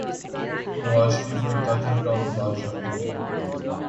نوازشریف ایک تاجر کا مزاج رکھتے ہیں۔